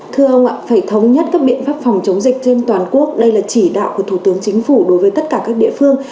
thưa ông ạ phải thống nhất các biện pháp phòng chống dịch trên toàn quốc đây là chỉ đạo của thủ tướng chính phủ đối với tất cả các địa phương